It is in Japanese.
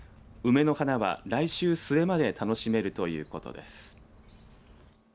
梅の花は来週末まで楽しめるということです。